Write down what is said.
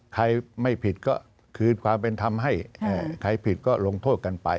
ใครไม่ผิดก็คืนความเป็นธรรมให้ใครผิดก็ลงโทษกันไป